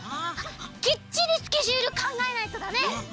きっちりスケジュールかんがえないとだね。